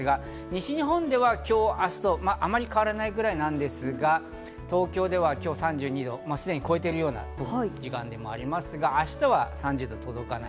西日本では今日、明日とあまり変わらないくらいなんですが、東京では今日３２度、すでに超えているような時間でもあります。